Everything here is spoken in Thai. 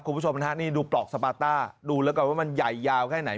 คุณผู้ชมฮะนี่ดูปลอกสปาต้าดูแล้วกันว่ามันใหญ่ยาวแค่ไหน